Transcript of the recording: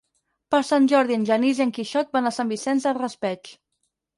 Per Sant Jordi en Genís i en Quixot van a Sant Vicent del Raspeig.